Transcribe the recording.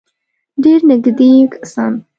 ډېر نېږدې کسان.